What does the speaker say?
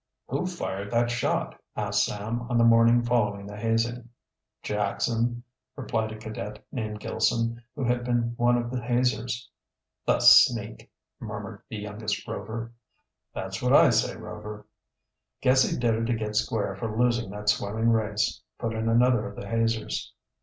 "Who fired that shot?" asked Sam, on the morning following the hazing. "Jackson," replied a cadet named Gilson, who had been one of the hazers. "The sneak!" murmured the youngest Rover. "That's what I say, Rover." "Guess he did it to get square for losing that swimming race," put in another of the hazers.